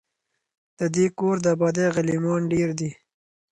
د دې کور د آبادۍ غلیمان ډیر دي